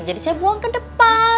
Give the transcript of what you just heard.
jadi saya buang ke depan